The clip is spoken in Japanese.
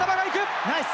ナイス。